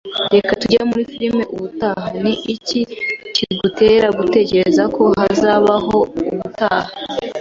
"Reka tujye muri firime ubutaha." "Ni iki kigutera gutekereza ko hazabaho ubutaha?"